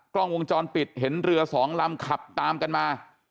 กล้องวงจรปิดเห็นเรือสองลำขับตามกันมา